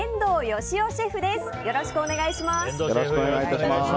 よろしくお願いします。